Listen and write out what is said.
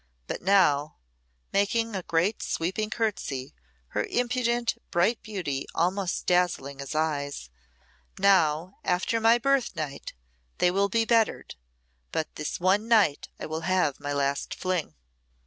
But now" making a great sweeping curtsey, her impudent bright beauty almost dazzling his eyes "now, after my birth night, they will be bettered; but this one night I will have my last fling."